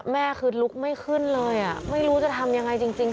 แม่คือลุกไม่ขึ้นเลยไม่รู้จะทำยังไงจริง